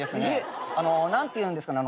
何て言うんですかね。